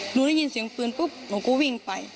ได้ยินเสียงปืนปุ๊บหนูก็วิ่งไป